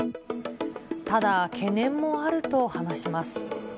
ただ、懸念もあると話します。